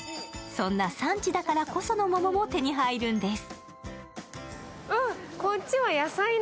そんな産地だからこその桃も手に入るんです。